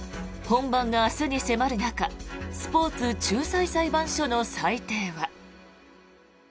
本番が明日に迫る中スポーツ仲裁裁判所の裁定は。